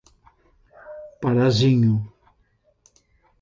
Parazinho